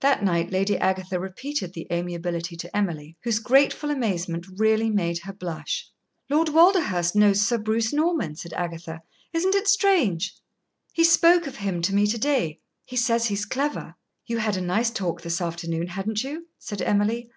That night Lady Agatha repeated the amiability to Emily, whose grateful amazement really made her blush. "Lord Walderhurst knows Sir Bruce Norman," said Agatha. "Isn't it strange? He spoke of him to me to day. He says he is clever." "You had a nice talk this afternoon, hadn't you?" said Emily.